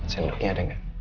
sendoknya ada gak